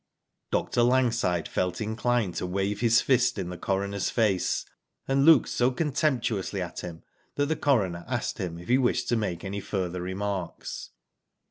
Dr. Langside felt inclined to waive his fist in the coroner's face, and looked so contemptuously Digitized byGoogk 26 WHO DID ITf at him that the coroner asked him if he wished to make any further remarks.